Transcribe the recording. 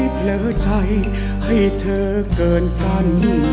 เผลอใจให้เธอเกินฝัน